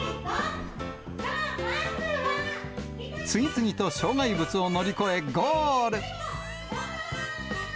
次々と障害物を乗り越え、ゴール！